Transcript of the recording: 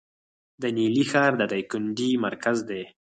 د نیلي ښار د دایکنډي مرکز دی